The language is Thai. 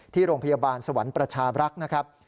ที่โรงพยาบาลสวรรค์ประชาบรักษ์นะครับ